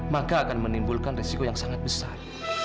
maka akan menimbulkan resiko yang sangat besar